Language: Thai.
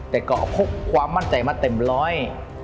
แต่ก็พกความมั่นใจมาเต็มร้อย